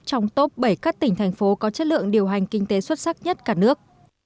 trong top bảy các tỉnh thành phố có chất lượng điều hành kinh tế xuất sắc nhất cả nước